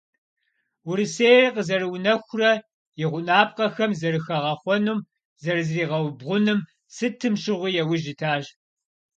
Урысейр къызэрыунэхурэ и гъунапкъэхэм зэрыхигъэхъуным, зэрызригъэубгъуным сытым щыгъуи яужь итащ.